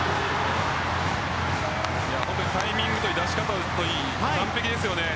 タイミングといい出し方といい完璧です。